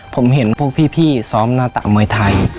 ผมเห็นพวกพี่ซ้อมหน้าตะมวยไทย